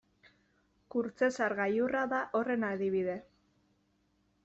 Kurtzezar gailurra da horren adibide.